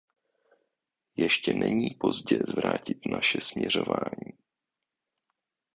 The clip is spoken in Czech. Ještě není pozdě zvrátit naše směřování.